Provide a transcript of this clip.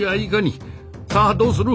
さあどうする？